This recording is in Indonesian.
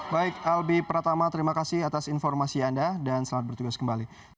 baik albi pratama terima kasih atas informasi anda dan selamat bertugas kembali